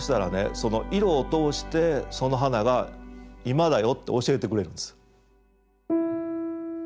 その色を通してその花が「今だよ」って教えてくれるんです。